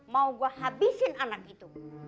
mau gue habisin anak itu